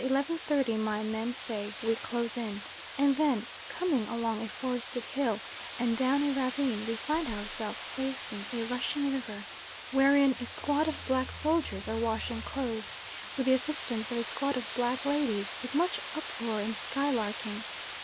30 my men say "we close in," and then, coming along a forested hill and down a ravine, we find ourselves facing a rushing river, wherein a squad of black soldiers are washing clothes, with the assistance of a squad of black ladies, with much uproar and sky larking.